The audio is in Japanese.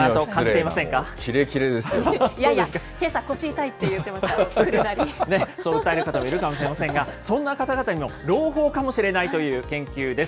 いやいや、けさ腰痛いって言そう訴える方もいるかもしれませんが、そんな方々にも朗報かもしれないという研究です。